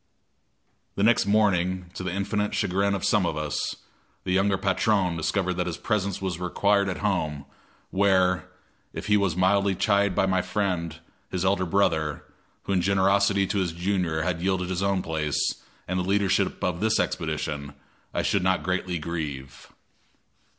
The next morning, to the infinite chagrin of some of us, the younger patron discovered that his presence was required at home, where, if he was mildly chid by my friend, his elder brother, who in generosity to his junior had yielded his own place and the leadership of this expedition, I should not greatly grieve.